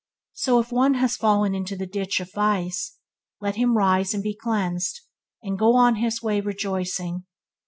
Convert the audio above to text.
So if one has fallen into the ditch of vice, let him rise and be cleansed, and go on his way rejoicing.